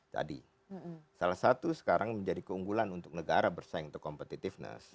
jadi salah satu sekarang menjadi keunggulan untuk negara bersaing untuk competitiveness